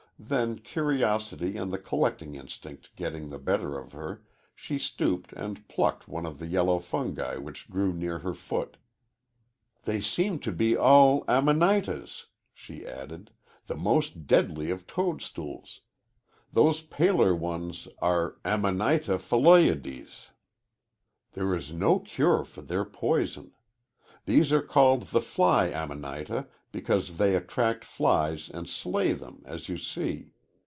Then, curiosity and the collecting instinct getting the better of her, she stooped and plucked one of the yellow fungi which grew near her foot. "They seem to be all Amanitas," she added, "the most deadly of toadstools. Those paler ones are Amanita Phalloides. There is no cure for their poison. These are called the Fly Amanita because they attract flies and slay them, as you see.